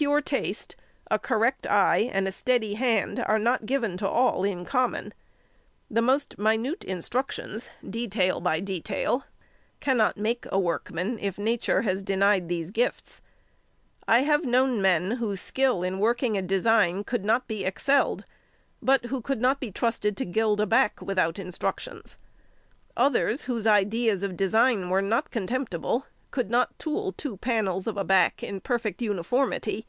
Pure taste, a correct eye, and a steady hand, are not given to all in common. The most minute instructions, detail by detail, cannot make a workman if Nature has denied these gifts. I have known men whose skill in working a design could not be excelled, but who could not be trusted to gild a back without instructions. Others, whose ideas of design were not contemptible, could not tool two panels of a back in perfect uniformity.